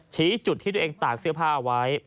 ชี้จุดที่ตัวเองตากเสื้อผ้าเอาไว้